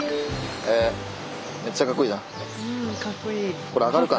へえめっちゃかっこいいな。